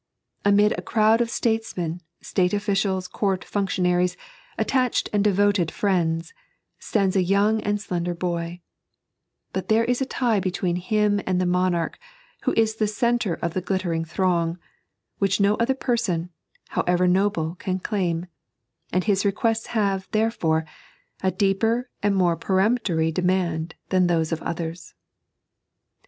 Amid a crowd of statesmen, state officials, court functionaries, attached and devoted friends, stuids a young and slender boy ; but there la a tie between him and tiie monarch, who is the centre of the glittering throng, which no oUier person, however noble, can claim ; and his requests have, ther^ore, a deeper and more peromptOTy demand than those of others.